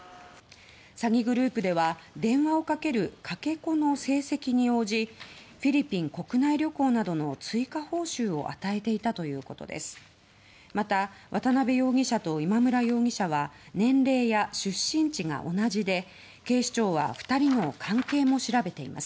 詐欺グループでは電話をかけるかけ子の成績に応じフィリピン国内旅行などの追加報酬を与えていたということです。